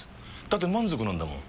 だって満足なんだもん。